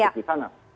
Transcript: oke mas hanta